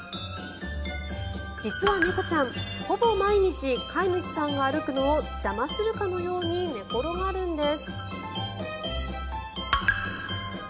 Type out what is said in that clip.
実は猫ちゃん、ほぼ毎日飼い主さんが歩くのを邪魔するかのように寝転がるんです。